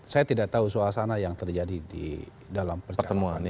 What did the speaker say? saya tidak tahu suasana yang terjadi di dalam pertemuan ini